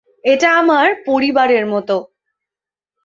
এটা আমার পরিবারের মত।